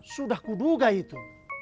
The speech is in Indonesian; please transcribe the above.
sudah kuduga itu